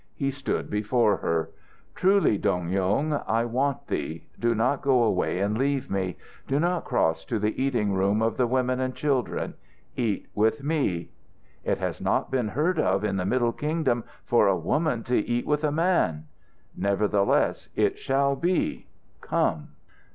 He stood before her. "Truly, Dong Yung, I want thee. Do not go away and leave me. Do not cross to the eating room of the women and children. Eat with me." "It has not been heard of in the Middle Kingdom for a woman to eat with a man." "Nevertheless, it shall be. Come!"